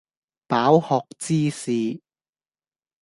飽學之士